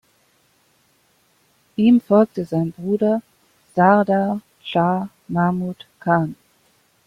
Ihm folgte sein Bruder Sardar Schah Mahmud Khan.